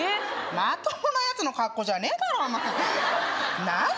まともなやつの格好じゃねえだろお前なんだ？